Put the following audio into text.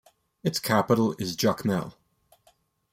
Its capital is Jacmel.